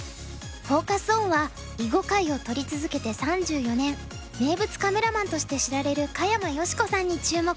フォーカス・オンは囲碁界を撮り続けて３４年名物カメラマンとして知られる香山由志子さんに注目。